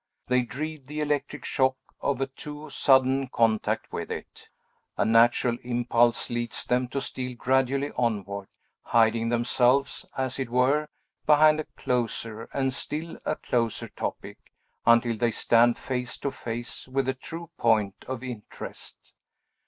They dread the electric shock of a too sudden contact with it. A natural impulse leads them to steal gradually onward, hiding themselves, as it were, behind a closer, and still a closer topic, until they stand face to face with the true point of interest.